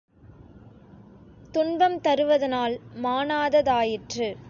துன்பம் தருவதனால் மாணாததாயிற்று.